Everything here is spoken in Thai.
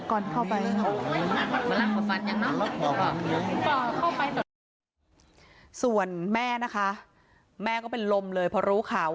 พระเจ้าที่อยู่ในเมืองของพระเจ้า